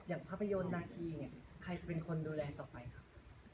ภาพยนตร์นาคีเนี่ยใครจะเป็นคนดูแลต่อไปครับ